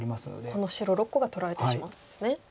この白６個が取られてしまうんですね。